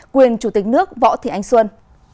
quyền chủ tịch nước võ thị anh xuân